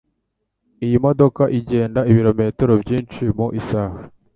Iyi modoka igenda ibirometero byinshi mu isaha.